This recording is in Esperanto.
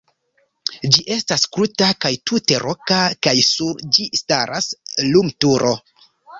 Ĝi estas kruta kaj tute roka kaj sur ĝi staras lumturo.